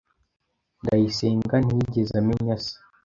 Ndayisenga ntiyigeze amenya se.